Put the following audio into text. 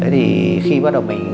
đấy thì khi bắt đầu mình